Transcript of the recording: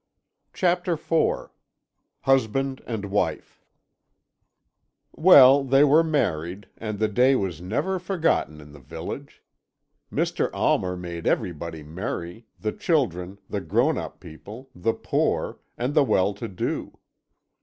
CHAPTER IV HUSBAND AND WIFE "Well, they were married, and the day was never forgotten in the village. Mr. Almer made everybody merry, the children, the grown up people, the poor, and the well to do.